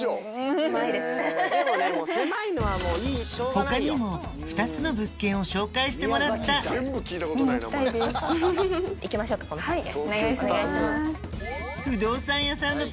他にも２つの物件を紹介してもらったお願いします。